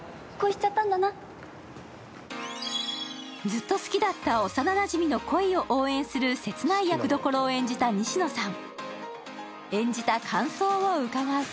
ずっと好きだった幼なじみの恋を応援する切ない役どころを演じた西野さん。